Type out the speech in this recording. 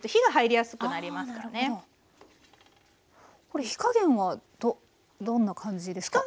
これ火加減はどんな感じですか？